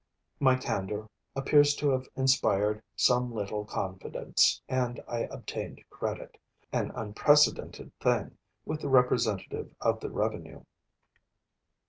My candor appears to have inspired some little confidence; and I obtained credit, an unprecedented thing, with the representative of the revenue.